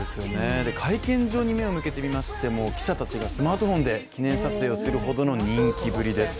会見場に目を向けてみましても記者たちがスマートフォンで記念撮影をするほどの人気ぶりです。